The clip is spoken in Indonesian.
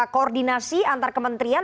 koordinasi antar kementerian